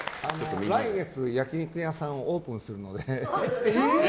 来月、焼き肉屋さんをオープンするので。